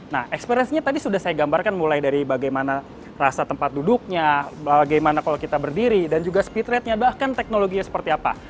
nah eksperience nya tadi sudah saya gambarkan mulai dari bagaimana rasa tempat duduknya bagaimana kalau kita berdiri dan juga speed ratenya bahkan teknologinya seperti apa